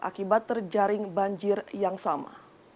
akibat terjaring banjir yang sama